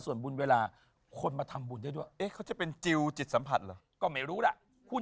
แจ๊คจิลวันนี้เขาสองคนไม่ได้มามูเรื่องกุมาทองอย่างเดียวแต่ว่าจะมาเล่าเรื่องประสบการณ์นะครับ